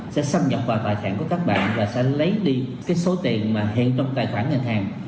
sẽ xâm nhập vào tài khoản của các bạn và sẽ lấy đi số tiền hiện trong tài khoản ngành hàng